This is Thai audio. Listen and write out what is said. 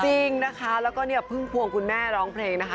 จริงนะคะแล้วก็พึ่งพวงคุณแม่ร้องเพลงนะคะ